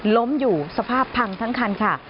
ล้มอยู่สภาพพังทั้งคันค่ะ